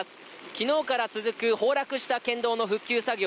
昨日から続く崩落した県道の復旧作業